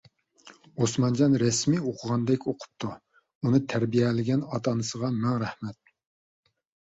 ئوسمانجان رەسمىي ئوقۇغاندەك ئوقۇپتۇ. ئۇنى تەربىيەلىگەن ئاتا-ئانىسىغا مىڭ رەھمەت!